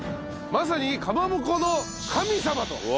まさにかまぼこの神様と。